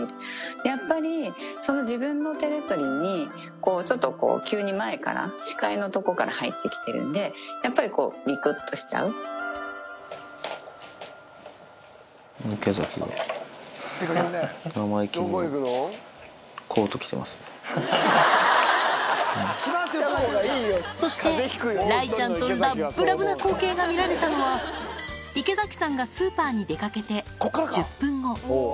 やっぱり、自分のテリトリーに、ちょっとこう、急に前から視界のとこから入ってきてるんで、やっぱりこう、池崎が、そして、雷ちゃんとラッブラブな光景が見られたのは、池崎さんがスーパーに出かけて１０分後。